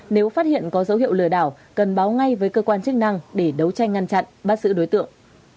nếu phát hiện có dấu hiệu lừa đảo cần báo ngay với cơ quan chức năng để đấu tranh ngăn chặn bắt giữ đối tượng